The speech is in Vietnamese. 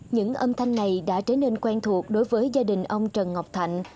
những âm thanh này đã trở nên quen thuộc đối với gia đình ông trần ngọc thạnh